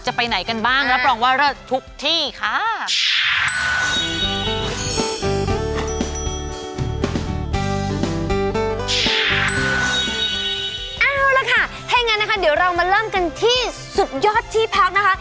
ให้งัดนะคะเดี๋ยวเรามาเริ่มกันที่สุดยอดที่พักนะคะ